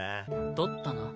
盗ったな。